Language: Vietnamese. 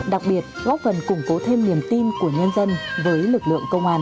đặc biệt góp phần củng cố thêm niềm tin của nhân dân với lực lượng công an